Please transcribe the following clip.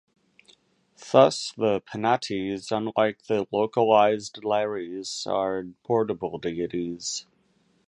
Thus the Penates, unlike the localized Lares, are portable deities.